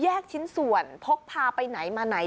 ชิ้นส่วนพกพาไปไหนมาไหน